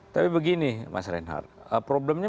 tapi begini mas reinhardt problemnya